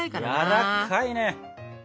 やわらかいね。